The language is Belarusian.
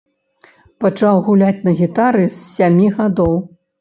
Пачаў гуляць на гітары з сямі гадоў.